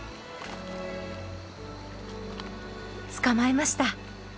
捕まえました。